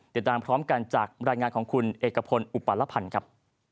ติดตามพร้อมกันจากรายงานของคุณเอกพลอุปาลพันธ์ครับ